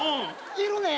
いるねん。